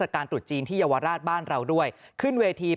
การ์แรนตี